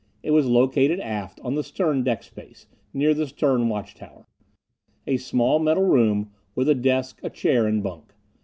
It was located aft, on the stern deck space, near the stern watch tower. A small metal room, with a desk, a chair and bunk.